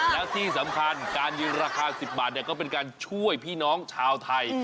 แล้วที่สำคัญการยืนราคา๑๐บาทก็เป็นการช่วยพี่น้องชาวไทย